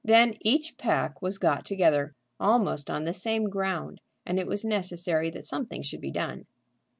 Then each pack was got together, almost on the same ground, and it was necessary that something should be done.